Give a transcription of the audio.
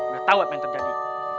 gak tau apa yang terjadi